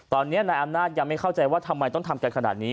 ตอนนี้นายอำนาจยังไม่เข้าใจว่าทำไมต้องทำกันขนาดนี้